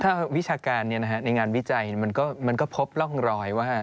ถ้าวิชาการในงานวิจัยมันก็พบร่องรอยว่า